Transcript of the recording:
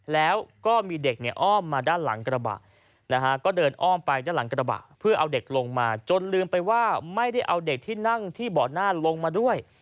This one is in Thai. แล้วก็มีเด็กเนี่ยอ้อมมาด้านหลังกระบะนะฮะก็เดินอ้อมไปด้านหลังกระบะเพื่อเอาเด็กลงมาจนลืมไปว่าไม่ได้เอาเด็กที่นั่งที่เบาะหน้าลงมาด้วย